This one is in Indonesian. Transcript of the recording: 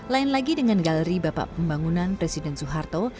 lain lagi dengan galeri bapak pembangunan presiden soeharto